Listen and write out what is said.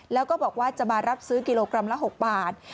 แล้วก็บอกว่าจะมารับซื้อกิโลกรัมละ๖บาท